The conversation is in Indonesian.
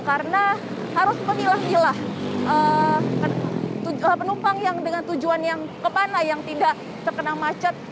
karena harus mengilah ilah penumpang yang dengan tujuan yang kemana yang tidak terkena macet